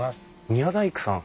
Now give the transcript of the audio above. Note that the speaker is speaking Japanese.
宮大工さん。